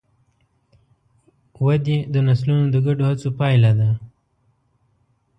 ودې د نسلونو د ګډو هڅو پایله ده.